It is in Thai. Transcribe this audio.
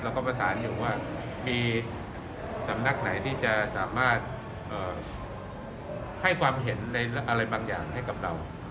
ประสานอยู่ว่ามีสำนักไหนที่จะสามารถให้ความเห็นในอะไรบางอย่างให้กับเรา